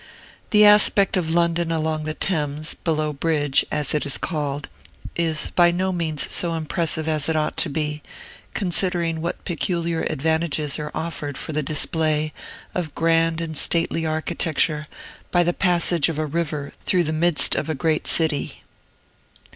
The aspect of London along the Thanes, below Bridge, as it is called, is by no means so impressive as it ought to be, considering what peculiar advantages are offered for the display of grand and stately architecture by the passage of a river through the midst of a great city.